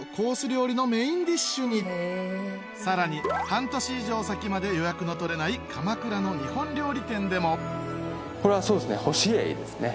料理のメインディッシュにさらに半年以上先まで予約の取れない鎌倉の日本料理店でもこれはそうですねホシエイですね